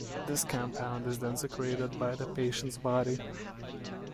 This compound is then secreted by the patient's body.